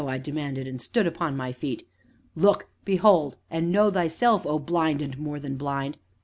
I demanded, and stood upon my feet. "Look behold and know thyself, O Blind and more than blind!"